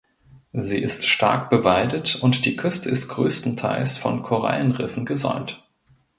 Sie ist stark bewaldet und die Küste ist größtenteils von Korallenriffen gesäumt.